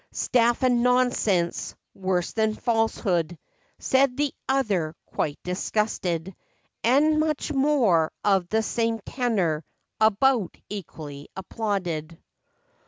"Stuff, and nonsense! Worse than falsehood, Said the other quite disgusted. And much more of the same tenor, About equally applauded.